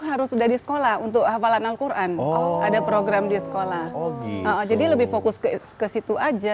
harus sudah di sekolah untuk hafalan al quran oh ada program di sekolah jadi lebih fokus ke situ aja